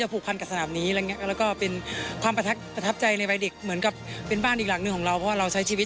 จุดสูงสุดของชีวิตจุดสูงสุดของชีวิต